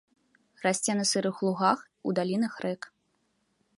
Расце на сырых лугах у далінах рэк.